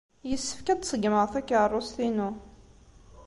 Yessefk ad d-ṣeggmeɣ takeṛṛust-inu.